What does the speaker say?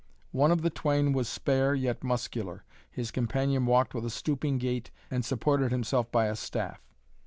One of the twain was spare, yet muscular. His companion walked with a stooping gait and supported himself by a staff.